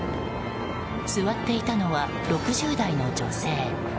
座っていたのは６０代の女性。